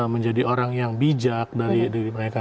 menjadi orang yang bijak dari diri mereka